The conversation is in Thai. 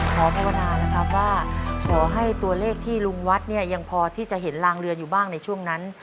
ภาวนานะครับว่าขอให้ตัวเลขที่ลุงวัดเนี่ยยังพอที่จะเห็นลางเรือนอยู่บ้างในช่วงนั้น